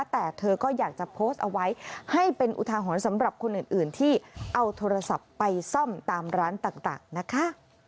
แต่เธอก็อยากจะโพสต์เอาไว้ให้เป็นอุทาหรณ์สำหรับคนอื่นที่เอาโทรศัพท์ไปซ่อมตามร้านต่างนะคะ